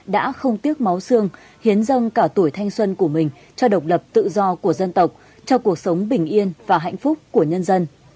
đã không tiếc máu xương hiến dâng cả tuổi thanh xuân của mình cho độc lập tự do của dân tộc cho cuộc sống bình yên và hạnh phúc của nhân dân